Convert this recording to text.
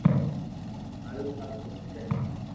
ھاري ٿارو دوست ھين